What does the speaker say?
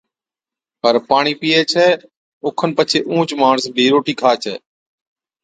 پر پاڻِي پِيئَي ڇَي، اوکن پڇي اُونھچ ماڻس بِي روٽِي کا ڇَي